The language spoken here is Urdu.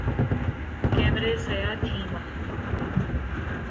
کمریں سیاہ تھیں وہاں